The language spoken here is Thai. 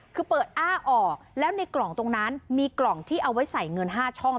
คือเปิดอ้าออกแล้วในกล่องตรงนั้นมีกล่องที่เอาไว้ใส่เงิน๕ช่อง